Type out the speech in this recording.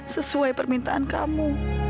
sesuai permintaan kamu